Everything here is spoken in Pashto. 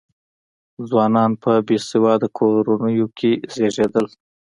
ځوانان په بې سواده کورنیو کې زېږېدل.